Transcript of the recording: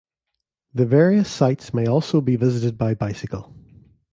The various sights may also be visited by bicycle.